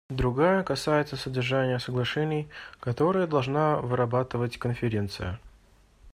Другая касается содержания соглашений, которые должна вырабатывать Конференция.